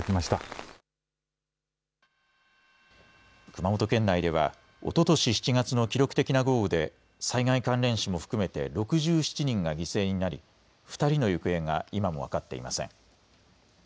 熊本県内ではおととし７月の記録的な豪雨で災害関連死も含めて６７人が犠牲になり２人の行方が今も分かっていません。